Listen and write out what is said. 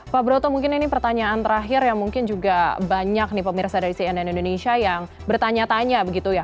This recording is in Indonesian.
pak broto mungkin ini pertanyaan terakhir yang mungkin juga banyak nih pemirsa dari cnn indonesia yang bertanya tanya begitu ya